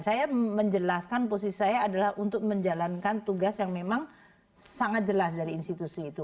saya menjelaskan posisi saya adalah untuk menjalankan tugas yang memang sangat jelas dari institusi itu